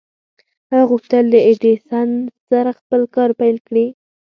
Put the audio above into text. هغه غوښتل له ايډېسن سره خپل کار پيل کړي.